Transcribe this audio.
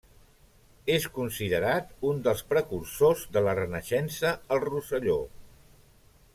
És considerat un dels precursors de la Renaixença al Rosselló.